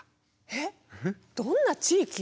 えっどんな地域？